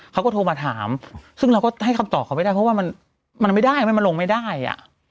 เขาก็โทรมาถามซึ่งเราก็ให้คำตอบเขาไม่ได้เพราะว่ามันไม่ได้มันลงไม่ได้อ่ะ